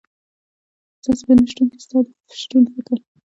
ستا په نشتون کي ستا د شتون فکر